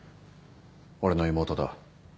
俺の妹だ。